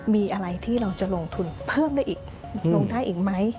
มีอะไรที่เราจะลงทุนเพิ่มได้อีกลงได้อีกไหม